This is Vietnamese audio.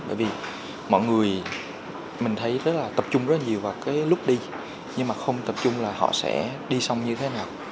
bởi vì mọi người mình thấy rất là tập trung rất nhiều vào cái lúc đi nhưng mà không tập trung là họ sẽ đi xong như thế nào